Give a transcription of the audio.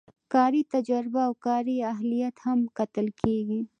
کاري تجربه او کاري اهلیت هم کتل کیږي.